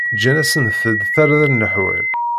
Ǧǧan-asent-d tarda n leḥwal.